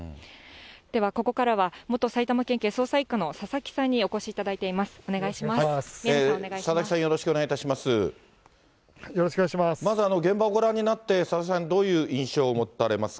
ではここからは、元埼玉県警捜査１課の佐々木さんにお越しいただいています。